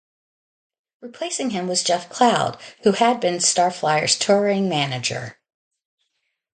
Replacing him was Jeff Cloud, who had been Starflyer's touring manager.